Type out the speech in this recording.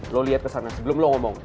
lo lihat kesana sebelum lo ngomong